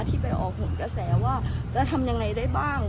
ที่ไปออกผลกระแสว่าจะทำยังไงได้บ้าง